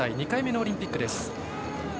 ２回目のオリンピックです。